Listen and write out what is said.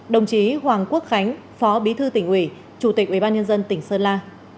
đồng chí hoàng quốc khánh phó bí thư tỉnh ủy chủ tịch ủy ban nhân dân tỉnh sơn la